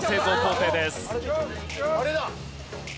あれだ！